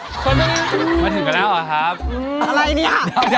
อืมยังไม่แสวกับแฟนเหมือนกันนะครับอ่าอะไรเนี่ย